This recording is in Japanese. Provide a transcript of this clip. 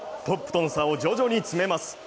トップとの差を徐々に詰めます。